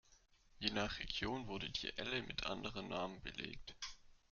Je nach Region wurde die Elle mit anderen Namen belegt.